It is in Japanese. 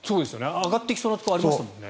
上がってきそうなところありましたよね。